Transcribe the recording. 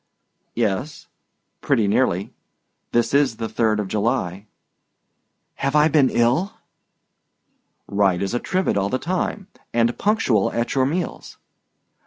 "Yes, pretty nearly; this is the 3d of July." "Have I been ill?" "Right as a trivet all the time, and punctual at your meals."